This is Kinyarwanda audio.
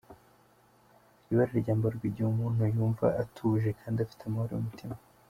Iri bara ryambarwa igihe umuntu yumva atuje kandi afite amahoro y’umutima,.